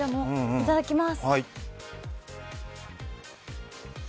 いただきます。